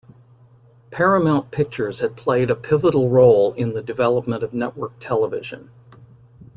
Paramount Pictures had played a pivotal role in the development of network television.